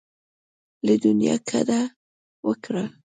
له دنیا کډه وکړه.